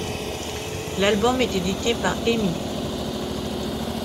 L'album est édité par Emi.